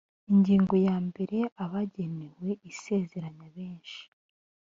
ingingo ya mbere abagenewe isezeranya benshi